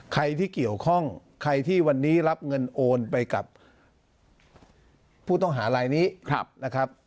ใครที่เกี่ยวข้องใครที่วันนี้รับเงินโอนไปกับผู้ต้องหารายนี้นะครับ